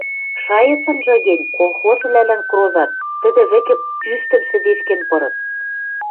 Шайыцынжы гӹнь колхозвлӓлӓн крозат, тӹдӹ вӹкӹ пӱштӹм шӹдешкен пырыт.